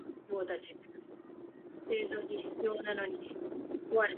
日本初の通信教育部設置大学